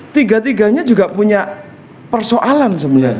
tiga tiganya juga punya persoalan sebenarnya